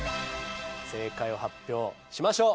正解を発表しましょう。